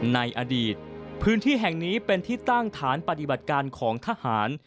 ในอดีตพื้นที่แห่งนี้เป็นที่ตั้งฐานปฏิบัติการของทหาร